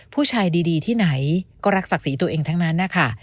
ผู้ชายดีที่ไหนก็รักศักดิ์ศรีตัวเองทั้งนั้นนะคะ